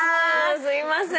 すいません。